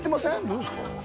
どうですか？